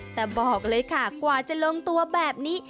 แต่บอกเลยค่ะกว่าจะลงตัวแบบนี้